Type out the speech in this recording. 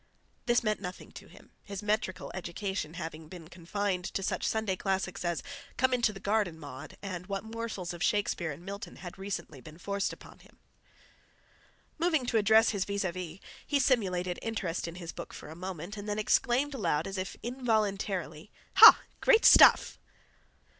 This meant nothing to him, his metrical education having been confined to such Sunday classics as "Come into the Garden, Maude," and what morsels of Shakespeare and Milton had been recently forced upon him. Moved to address his vis a vis, he simulated interest in his book for a moment, and then exclaimed aloud as if involuntarily: "Ha! Great stuff!"